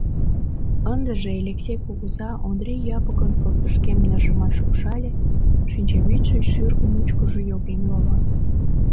Ындыже Элексей кугыза Ондри Япыкын портышкем нержымат шупшале, шинчавӱдшӧ шӱргӧ мучкыжо йоген вола.